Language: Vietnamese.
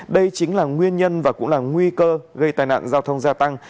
đây chính là nguyên nhân và cũng là nguy cơ gây tai nạn giao thông gia tăng